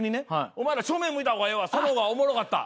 「お前ら正面向いた方がええわその方がおもろかった」